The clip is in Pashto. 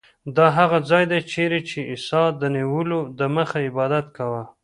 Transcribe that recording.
دا هغه ځای دی چیرې چې عیسی د نیولو دمخه عبادت کاوه.